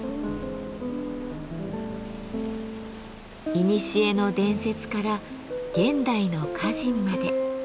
いにしえの伝説から現代の歌人まで。